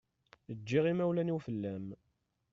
Ǧǧiɣ imawlan-iw fell-am.